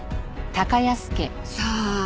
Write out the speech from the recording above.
さあ？